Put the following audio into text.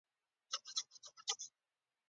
د اسلامي نړۍ یو نابغه وو.